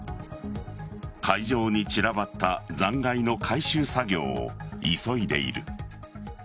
海上に散らばった残骸の回収作業を急いでいる。